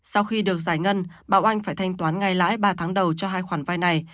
sau khi được giải ngân bảo oanh phải thanh toán ngay lãi ba tháng đầu cho hai khoản vay này